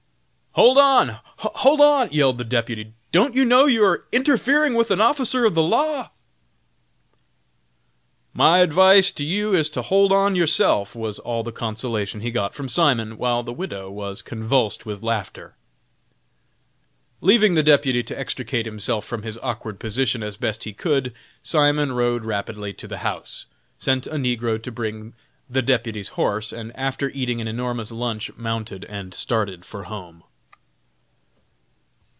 _ Page 40.] "Hold on! hold on!" yelled the deputy; "don't you know you are interfering with an officer of the law?" "My advice ter you is to hold on yourself," was all the consolation he got from Simon, while the widow was convulsed with laughter. Leaving the deputy to extricate himself from his awkward position as best he could, Simon rowed rapidly to the house, sent a negro to bring the deputy's horse, and after eating an enormous lunch, mounted and started for home.